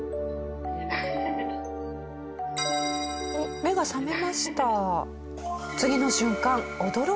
目が覚めました。